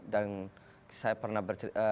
dan saya pernah bercerita